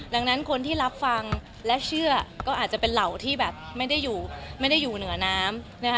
ดังนั้นคนที่รับฟังและเชื่อก็อาจจะเป็นเหล่าที่แบบไม่ได้อยู่เหนือน้ำ